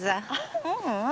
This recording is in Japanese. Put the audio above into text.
ううん。